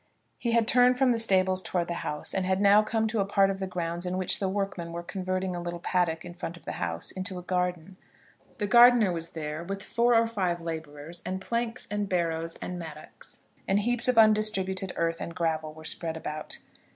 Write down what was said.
He had turned from the stables towards the house, and had now come to a part of the grounds in which workmen were converting a little paddock in front of the house into a garden. The gardener was there with four or five labourers, and planks, and barrows, and mattocks, and heaps of undistributed earth and gravel were spread about.